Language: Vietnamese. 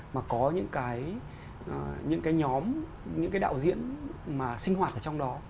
mà có những cái nhóm những cái đạo diễn mà sinh hoạt ở trong đó